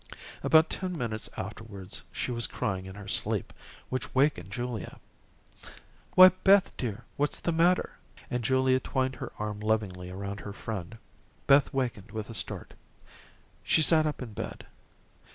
About ten minutes afterwards, she began crying in her sleep, which wakened Julia. "Why, Beth dear, what's the matter?" and Julia twined her arm lovingly around her friend. Beth wakened with a start. She sat up in bed.